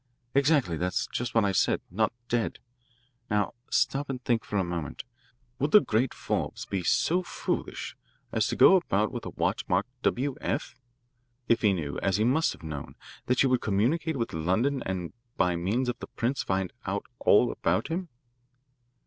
"Exactly; that's just what I said not dead. Now stop and think a moment. Would the great Forbes be so foolish as to go about with a watch marked 'W. F.' if he knew, as he must have known, that you would communicate with London and by means of the prints find out all about him?"